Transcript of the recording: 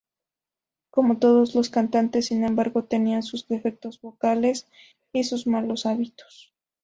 Como todos los cantantes, sin embargo, tenía sus defectos vocales y sus malos hábitos.